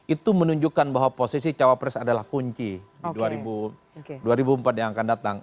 itu menunjukkan bahwa posisi cawapres adalah kunci di dua ribu empat yang akan datang